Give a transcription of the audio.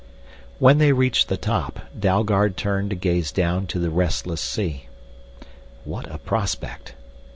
When they reached the top, Dalgard turned to gaze down to the restless sea. What a prospect!